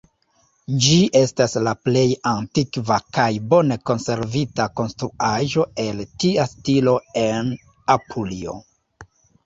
Ĝi estas la plej antikva kaj bone konservita konstruaĵo el tia stilo en Apulio.